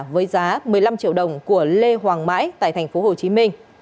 với giá một mươi năm triệu đồng của lê hoàng mãi tại tp hcm